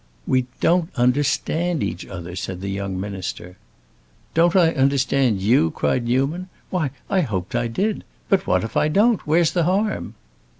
"We don't understand each other," said the young minister. "Don't I understand you?" cried Newman. "Why, I hoped I did. But what if I don't; where's the harm?"